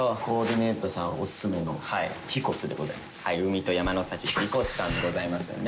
コーディネートさんおすすめのヒコスでございます。